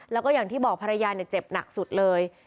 แล้วก็อย่างที่บอกภรรยาเจ็บหนักสุดเลย